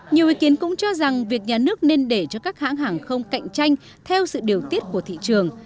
nhiều ý kiến cũng cho rằng việc nhà nước nên để cho các hãng hàng không cạnh tranh theo sự điều tiết của thị trường